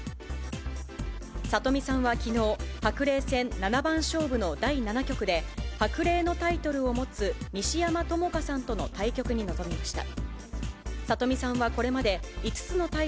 里見さんはきのう、白玲戦七番勝負の第７局で、白玲のタイトルを持つ西山朋佳さんとの対局に臨みました。